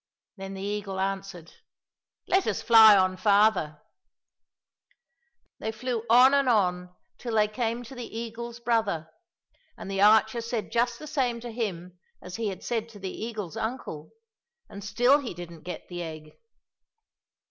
"— Then the eagle answered, " Let us fly on farther !" They flew on and on till they came to the eagle's brother, and the archer said just the same to him as he had said to the eagle's uncle, and still he didn't get the egg.